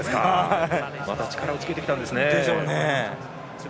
また力をつけてきたんでしょうね。